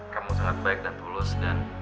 kamu sangat baik dan tulus dan